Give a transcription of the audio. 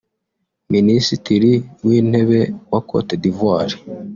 Minisitiri w’Intebe wa Côte d’Ivoire